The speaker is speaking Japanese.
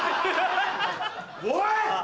おい！